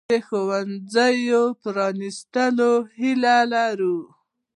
موږ د ښوونځیو پرانیستو هیله لرو.